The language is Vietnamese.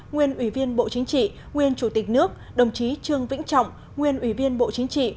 nguyên ủy viên bộ chính trị nguyên chủ tịch nước đồng chí trương vĩnh trọng nguyên ủy viên bộ chính trị